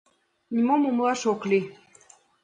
Нимом умылаш ок лий.